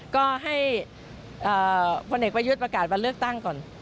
ก็ให้พลเอกประยุทธ์ประกาศวันเลือกตั้งก่อน